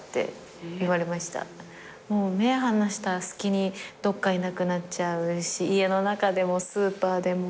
目離した隙にどっかいなくなっちゃうし家の中でもスーパーでも。